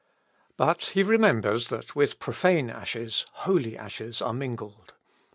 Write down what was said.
But he remembers that with profane ashes holy ashes are mingled.